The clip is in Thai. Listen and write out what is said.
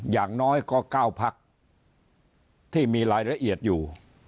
อย่างน้อยก็๙พักที่มีรายละเอียดอยู่